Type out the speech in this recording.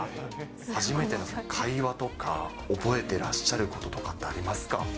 初めての会話とか、覚えてらっしゃることとかってありますか。